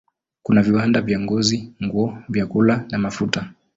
Kuna viwanda vya ngozi, nguo, vyakula na mafuta.